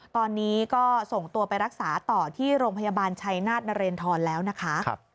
ตอนนี้ก็ส่งตัวไปรักษาต่อที่โรงพยาบาลชัยนาธนเรนทรแล้วนะคะ